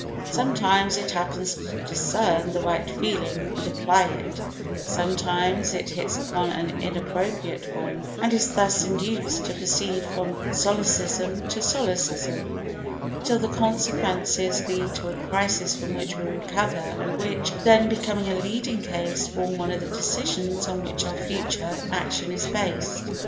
Sometimes it happens to discern the right feeling and apply it, sometimes it hits upon an inappropriate one and is thus induced to proceed from solecism to solecism till the consequences lead to a crisis from which we recover and which, then becoming a leading case, forms one of the decisions on which our future action is based.